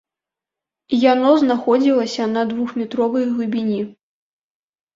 Яно знаходзілася на двухметровай глыбіні.